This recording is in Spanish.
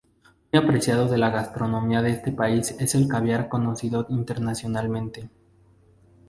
Muy apreciado de la gastronomía de este país es el caviar conocido internacionalmente.